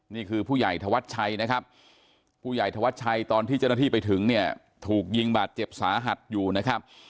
นี่คือผู้ใหญ่ธวัชชัยนะครับผู้ใหญ่ธวัชชัยตอนที่เจ้าหน้าที่ไปถึงเนี่ยถูกยิงบาดเจ็บสาหัสอยู่นะครับ